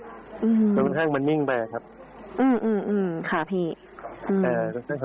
อืมแต่ค่อนข้างมันนิ่งไปครับอืมอืมอืมค่ะพี่อืมอ่าค่ะ